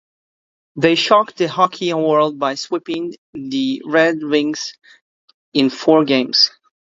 They shocked the hockey world by sweeping the Red Wings in four games.